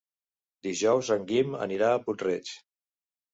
Dijous en Guim anirà a Puig-reig.